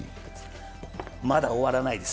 まだ終わらないです。